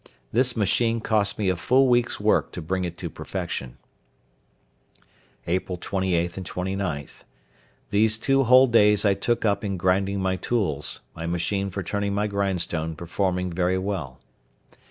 This machine cost me a full week's work to bring it to perfection. April 28, 29.—These two whole days I took up in grinding my tools, my machine for turning my grindstone performing very well.